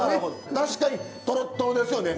確かにとろっとろですよね。